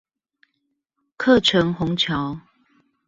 客城虹橋